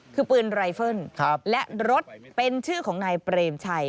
คือปืนไรเฟิลและรถเป็นชื่อของนายเปรมชัย